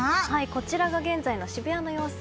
こちらが現在の渋谷の様子。